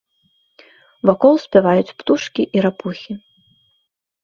Вакол спяваюць птушкі і рапухі.